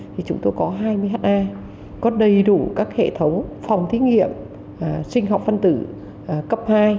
thì chúng tôi có hai mươi ha có đầy đủ các hệ thống phòng thí nghiệm sinh học phân tử cấp hai